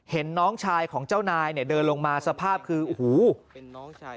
เห็นน้องชายของเจ้านายเดินลงมาสภาพคือโอ้โห